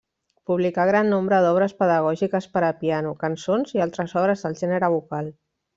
Publicà gran nombre d'obres pedagògiques per a piano; cançons i altres obres del gènere vocal.